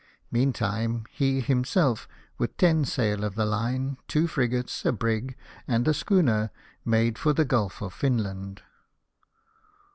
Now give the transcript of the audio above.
Meantime, he himself, with ten sail of the line, two frigates, a brig and a schooner, made for the Gulf of Finland.